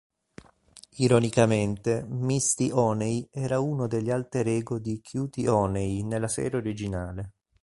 Ironicamente, Misty Honey era uno degli alter ego di Cutie Honey nella serie originale.